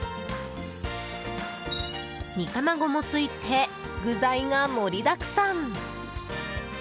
煮卵も付いて具材が盛りだくさん。